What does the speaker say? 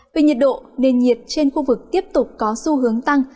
về nhiệt độ nền nhiệt trên khu vực tiếp tục có xu hướng tăng